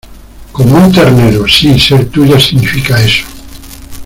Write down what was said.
como a un ternero. si ser tuya significa eso ...